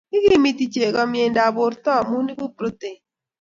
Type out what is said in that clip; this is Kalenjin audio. Ikimiti chego mieindatab borto amu ibu protein